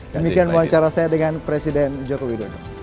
demikian wawancara saya dengan presiden jokowi